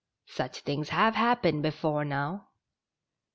"Such things have happened before now."